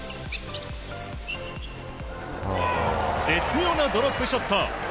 絶妙なドロップショット！